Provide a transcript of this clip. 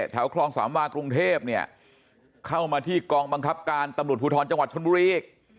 แถวคลองสามวากรุงเทพเนี่ยเข้ามาที่กองบังคับการตำรวจภูทรจังหวัดชนบุรีอีก